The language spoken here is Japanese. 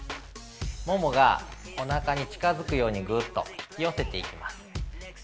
ももがおなかに近づくように、ぐっと引き寄せていきます。